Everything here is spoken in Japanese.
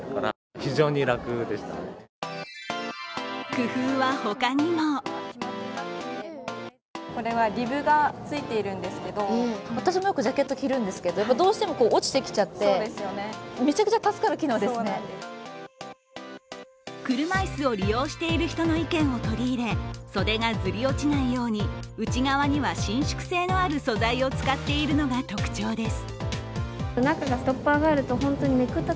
工夫は他にも車いすを利用している人の意見を取り入れ、袖がずり落ちないように内側には伸縮性のある素材を使っているのが特徴です。